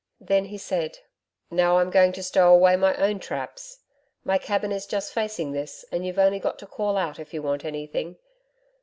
Then he said: 'Now I'm going to stow away my own traps. My cabin is just facing this and you've only got to call out if you want anything.